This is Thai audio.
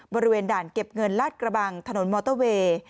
บริเวณด่านเก็บเงินลาดกระบังถนนมอเตอร์เวย์